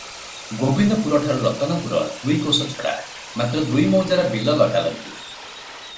ଗୋବିନ୍ଦପୁରଠାରୁ ରତନପୁର ଦୁଇକୋଶ ଛଡ଼ା; ମାତ୍ର ଦୁଇ ମୌଜାର ବିଲ ଲଗା ଲଗି ।